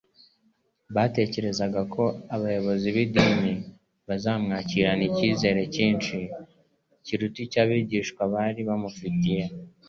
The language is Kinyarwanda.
Batekerezaga ko abayobozi b'idini bazamwakirana icyizere cyinshi kiruta icy'abigishwa bari bamufitiye.